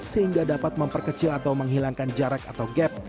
sehingga dapat memperkecil atau menghilangkan jarak atau gap